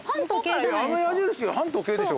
あの矢印が反時計でしょ。